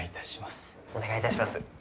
お願いいたします。